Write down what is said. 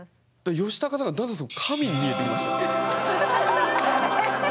ヨシタカさんがだんだん神に見えてきました。